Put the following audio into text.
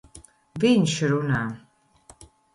Viņš runā!